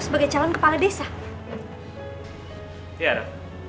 sebagai calon kepala desa